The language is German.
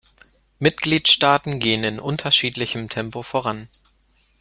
Mitgliedstaaten gehen in unterschiedlichem Tempo voran.